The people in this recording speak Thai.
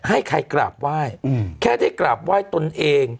ให้ใครกราบไหว้แค่ได้กราบไหว้ตนเอง